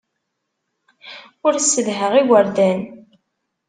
Ur ssedhaɣ igerdan.